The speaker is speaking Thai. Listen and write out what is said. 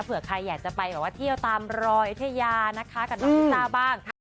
เผื่อใครอยากจะไปแบบว่าเที่ยวตามรอยยุธยานะคะกับน้องลิซ่าบ้าง